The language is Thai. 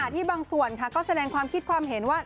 ที่บางส่วนก็แสดงความคิดความเห็นว่า